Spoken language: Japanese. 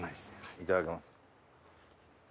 いただきます。